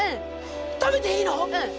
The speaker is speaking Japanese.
食べていいの？